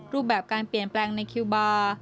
รูปแบบการเปลี่ยนแปลงในคิวบาร์